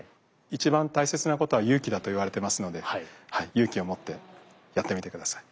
一番大切なことは勇気だと言われてますので勇気を持ってやってみて下さい。